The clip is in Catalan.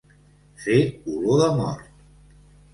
Fer olor de mort.